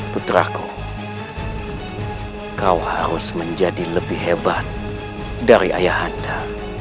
putraku kau harus menjadi lebih hebat dari ayah anda